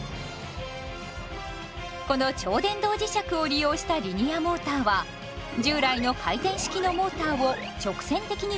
この超電動磁石を利用したリニアモーターは従来の回転式のモーターを直線的に伸ばしたものです。